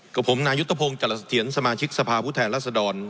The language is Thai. กับผมนายุตภพงศ์จรษฐียนตร์สมาชิกสภาพุทธแหล่นรัศดร